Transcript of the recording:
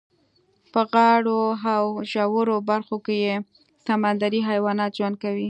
په غاړو او ژورو برخو کې یې سمندري حیوانات ژوند کوي.